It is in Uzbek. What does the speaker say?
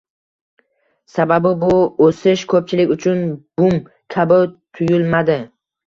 Sababi, bu o'sish ko'pchilik uchun "bum" kabi tuyulmadi